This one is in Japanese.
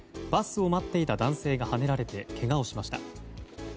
バスを待っていた男性がはねられてけがをしました。